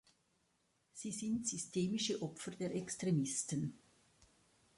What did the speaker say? Sie sind systemische Opfer der Extremisten.